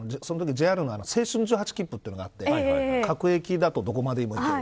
ＪＲの青春１８きっぷというのがあって各駅だと、どこまででも行ける。